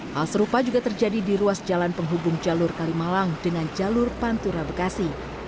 hal serupa juga terjadi di ruas jalan penghubung jalur kalimalang dengan jalur pantura bekasi